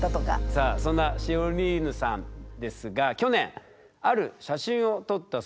さあそんなシオリーヌさんですが去年ある写真を撮ったそうなんですね。